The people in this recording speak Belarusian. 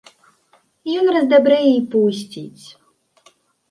Ён раздабрэе і пусціць.